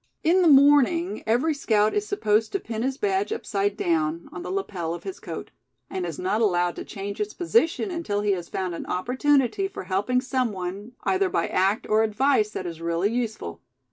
In the morning every scout is supposed to pin his badge upside down, on the lapel of his coat; and is not allowed to change its position until he has found an opportunity for helping some one, either by act, or advice that is really useful.